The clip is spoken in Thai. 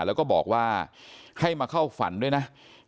แล้วก็บอกว่าให้มาเข้าฝันด้วยนะ